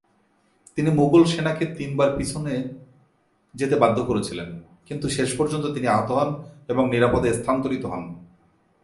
তিনি মুগল সেনাকে তিনবার পিছনে যেতে বাধ্য করেছিলেন কিন্তু শেষ পর্যন্ত তিনি আহত হন এবং নিরাপদে স্থানান্তরিত হন।